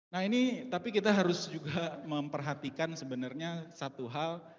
nah ini tapi kita harus juga memperhatikan sebenarnya satu hal